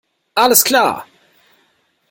Alles klar!